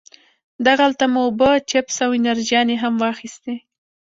دغلته مو اوبه، چپس او انرژيانې هم واخيستې.